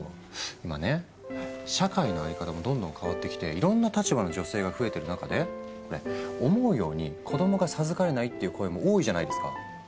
今ね社会の在り方もどんどん変わってきていろんな立場の女性が増えてる中で思うように子どもが授かれないっていう声も多いじゃないですか。